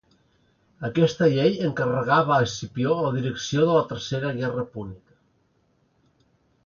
Aquesta llei encarregava a Escipió la direcció de la tercera guerra púnica.